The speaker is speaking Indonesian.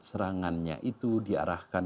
serangannya itu diarahkan